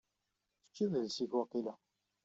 Teĉĉiḍ iles-ik waqila?